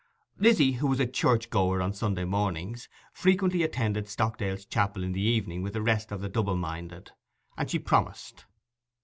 Lizzy, who was a church goer on Sunday mornings, frequently attended Stockdale's chapel in the evening with the rest of the double minded; and she promised.